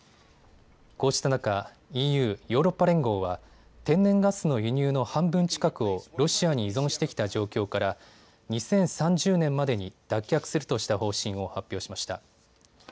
こうした中、ＥＵ・ヨーロッパ連合は天然ガスの輸入の半分近くをロシアに依存してきた状況から２０３０年までに脱却するとした方針を発表しました。